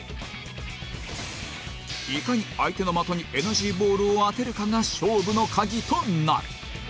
いかに相手の的にエナジーボールを当てるかが勝負の鍵となる